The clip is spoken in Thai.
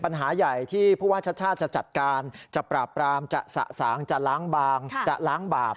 ปัญหาใหญ่ที่ผู้ว่าชาติชาติจะจัดการจะปราบปรามจะสะสางจะล้างบางจะล้างบาป